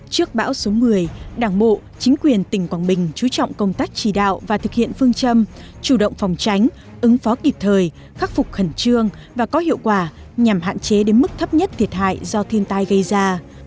trước bão số một mươi đảng bộ chính quyền tỉnh quảng bình chú trọng công tác chỉ đạo và thực hiện phương châm chủ động phòng tránh ứng phó kịp thời khắc phục khẩn trương và có hiệu quả nhằm hạn chế đến mức thấp nhất thiệt hại do thiên tai gây ra